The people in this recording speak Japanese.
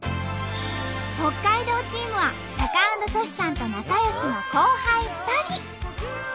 北海道チームはタカアンドトシさんと仲よしの後輩２人。